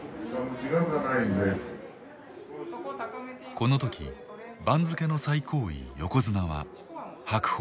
この時番付の最高位横綱は白鵬